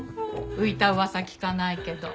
浮いた噂聞かないけど。